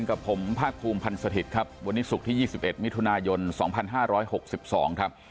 กับผมภาคภูมิพันธ์สถิตย์ครับวันนี้ศุกร์ที่๒๑มิถุนายน๒๕๖๒ครับ